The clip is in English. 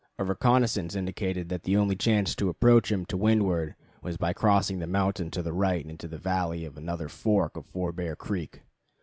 A reconnaissance indicated that the only chance to approach him to windward was by crossing the mountain to the right into the valley of another fork of Four Bear Creek.